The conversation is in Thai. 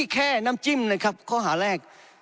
แค่น้ำจิ้มนะครับข้อหาแรก